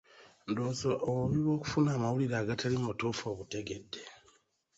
Ndowooza obubi bwokufuna amawulire agatali matuufu obutegedde?